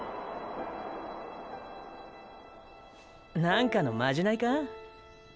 なんかのまじないか？